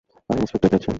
আরে, ইন্সপেক্টর যাচ্ছে।